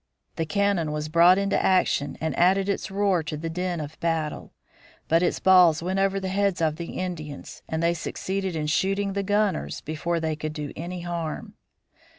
The cannon was brought into action and added its roar to the din of battle. But its balls went over the heads of the Indians and they succeeded in shooting the gunners before they could do any harm.